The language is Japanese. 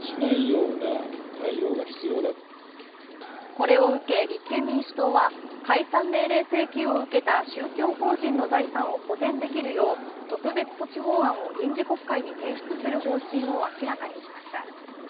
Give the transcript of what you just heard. これを受け立憲民主党は解散命令請求を受けた宗教法人の財産を保全できるよう特別措置法案を臨時国会に提出する方針を明らかにしました。